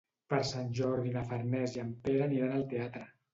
Per Sant Jordi na Farners i en Pere aniran al teatre.